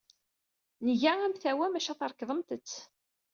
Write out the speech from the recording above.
Nga amtawa, maca trekḍemt-t.